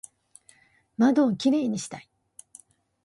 窓をキレイにしたい